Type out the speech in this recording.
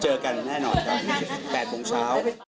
เจอกันแน่นอนครับ๘โมงเช้า